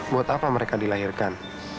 buat apa mereka dilahirkan